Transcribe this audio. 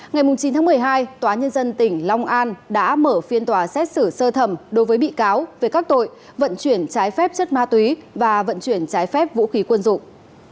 ngày chín tháng một mươi hai tòa nhân dân tỉnh long an đã mở phiên tòa xét xử sơ thẩm đối với bị cáo về các tội vận chuyển trái phép chất ma túy và vận chuyển trái phép vũ khí quân dụng